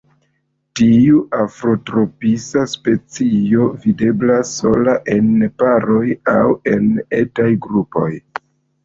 Tiu afrotropisa specio videblas sola, en paroj aŭ en etaj grupoj.